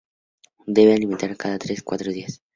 Se deben alimentar cada tres o cuatro días.